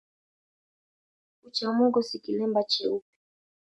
Kucha Mungu si kilemba cheupe